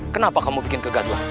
kenapa kamu bikin kegagalan